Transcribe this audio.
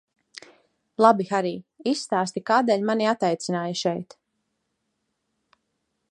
Labi, Harij, izstāsti kādēļ mani ataicināji šeit?